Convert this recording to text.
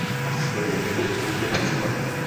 To je jen několik konkrétních případů.